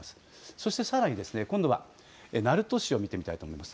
そしてさらにですね、今度は鳴門市を見てみたいと思います。